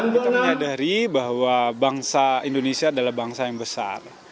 kita menyadari bahwa bangsa indonesia adalah bangsa yang besar